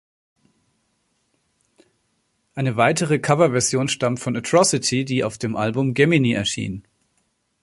Eine weitere Coverversion stammt von Atrocity, die auf dem Album "Gemini" erschien.